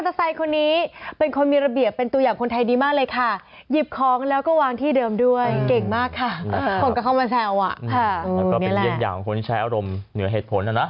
แต่ก็เป็นเยี่ยงอย่างของคนที่ใช้อารมณ์เหนือเหตุผลนะนะ